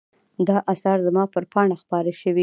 دا آثار زما پر پاڼه خپاره شوي.